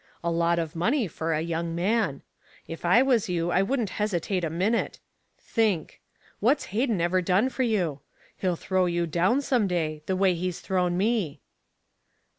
A lot of money for a young man. If I was you I wouldn't hesitate a minute. Think. What's Hayden ever done for you? He'll throw you down some day, the way he's thrown me."